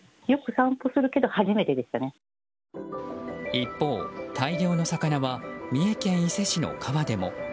一方、大量の魚は三重県伊勢市の川でも。